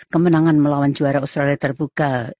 kemenangan melawan juara australia terbuka